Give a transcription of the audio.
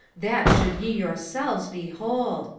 That should ye yourselves behold!